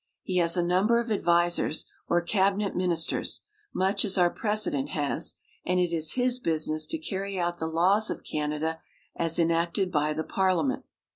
He has a number of advisers, or cabinet ministers, much as our President has, and it is his business to carry out the laws of Canada as enacted by the Parliament.